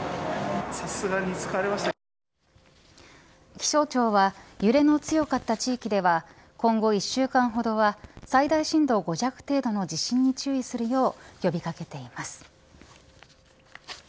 気象庁は揺れの強かった地域では今後１週間ほどは最大震度５弱程度の地震に注意するよう呼び掛けています。